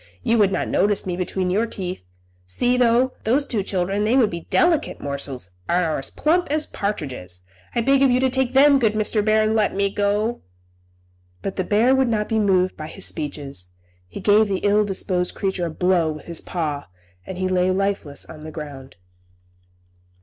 You would not notice me between your teeth. See, though, those two children, they would be delicate morsels, and are as plump as partridges; I beg of you to take them, good Mr. Bear, and let me go." But the bear would not be moved by his speeches. He gave the ill disposed creature a blow with his paw, and he lay lifeless on the ground.